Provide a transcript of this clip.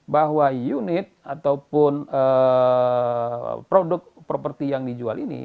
bahwa unit ataupun produk properti yang dijual ini